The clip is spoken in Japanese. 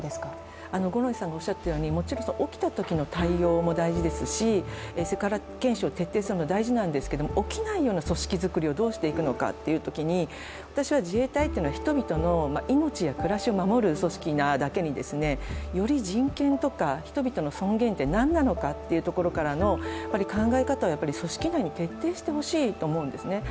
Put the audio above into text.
もちろん起きたときの対応も大事ですしセクハラ研修を徹底するのは大事なんですけれども起きないような組織作りをどうしていくのかとしたときに私は自衛隊というのは人々の命や暮らしを守る組織なだけに、より人権とか、人々の尊厳ってなんなのかっていうところからの考え方を組織内で徹底してほしいと思うんですよね。